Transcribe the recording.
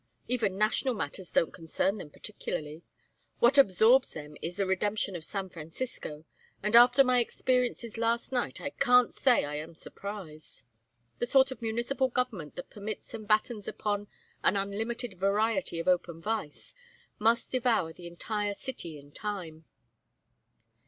Even national matters don't concern them particularly. What absorbs them is the redemption of San Francisco; and after my experiences last night I can't say I am surprised. The sort of municipal government that permits and battens upon an unlimited variety of open vice must devour the entire city in time.